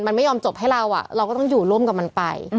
มันไม่ยอมจบให้เราเราก็ต้องอยู่ร่วมกับมันไป